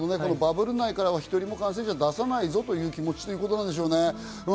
バブル内からは１人も感染者出さないぞという気持ちなんでしょうね。